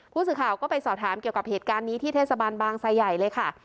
ผู้สื่อข่าวก็ไปสอบถามเกี่ยวกับเหตุการณ์นี้ที่เทศบาลบางไซใหญ่เลยค่ะ